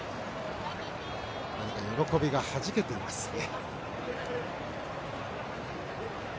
何か喜びがはじけていますね。